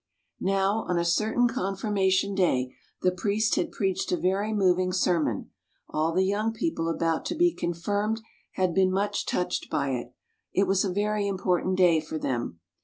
Now on a certain Confirmation day the priest had preached a very moving sermon, all the young people about to be con firmed had been much touched by it; it was a very important day for them.